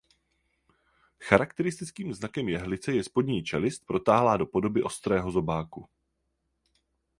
Charakteristickým znakem jehlice je spodní čelist protáhlá do podoby ostrého zobáku.